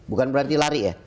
bukan berarti lari ya